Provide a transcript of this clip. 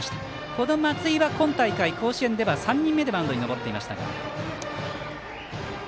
この松井は今大会３人目でマウンドに登っていました。